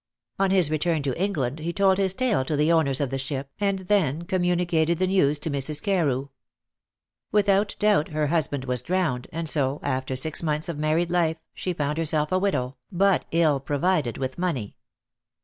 "'On his return to England he told his tale to the owners of the ship, and then communicated the news to Mrs. Carew. Without doubt her husband was drowned, and so after six months of married life she found herself a widow, but ill provided with money.